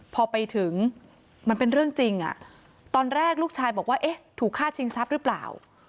พอไปถึงมันเป็นเรื่องจริงตอนแรกลูกชายบอกว่าเอ๊ะถูกฆ่าชิงทรัพย์หรือเปล่า